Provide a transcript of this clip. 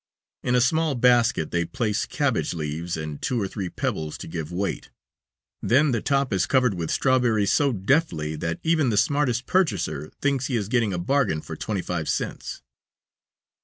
In a small basket they place cabbage leaves and two or three pebbles to give weight; then the top is covered with strawberries so deftly that even the smartest purchaser thinks he is getting a bargain for twenty five cents.